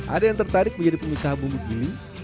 ada yang tertarik menjadi pengusaha bumbu giling